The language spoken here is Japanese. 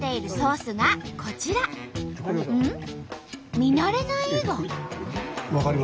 見慣れない絵が。